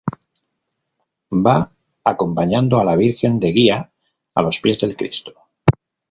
Va acompañando a la Virgen de Guía a los pies del Cristo.